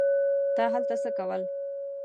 تا هلته څه کول.